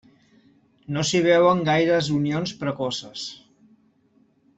No s'hi veuen gaires unions precoces.